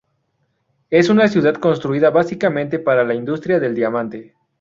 Es una ciudad construida básicamente para la industria del diamante.